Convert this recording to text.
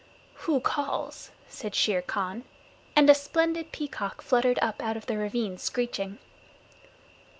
"Who calls?" said Shere Khan, and a splendid peacock fluttered up out of the ravine screeching.